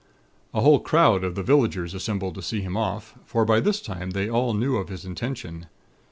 "A whole crowd of the villagers assembled to see him off; for by this time they all knew of his intention.